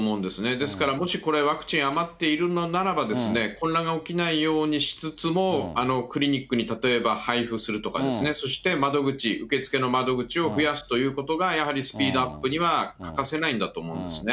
ですから、もしこれ、ワクチン余っているのならば、混乱が起きないようにしつつも、クリニックに例えば配布するとかですね、そして窓口、受け付けの窓口を増やすということが、やはりスピードアップには欠かせないんだと思うんですね。